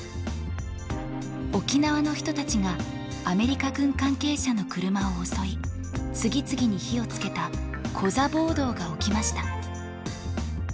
沖縄の人たちがアメリカ軍関係者の車を襲い次々に火を付けたコザ暴動が起きました。